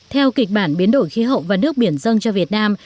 theo kịch bản biến đổi khí hậu và nước biển dân cho việt nam